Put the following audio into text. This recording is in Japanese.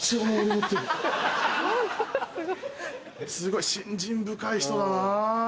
すごい信心深い人だなぁ。